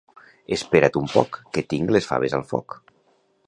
Espera't un poc, que tinc les faves al foc.